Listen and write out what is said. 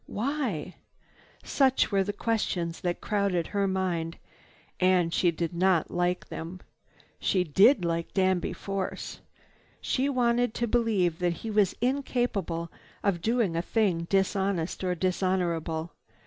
Why? Such were the questions that crowded her mind. And she did not like them. She did like Danby Force. She wanted to believe that he was incapable of doing a thing dishonest or dishonorable.